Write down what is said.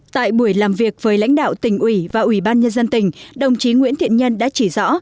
tại buổi làm việc với lãnh đạo tỉnh ủy và ủy ban nhân dân tỉnh đồng chí nguyễn thiện nhân đã chỉ rõ